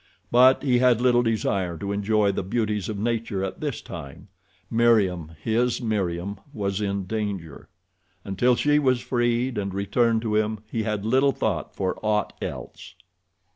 But he had little desire to enjoy the beauties of nature at this time. Meriem, his Meriem was in danger. Until she was freed and returned to him he had little thought for aught else.